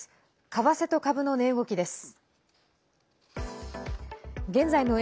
為替と株の値動きです。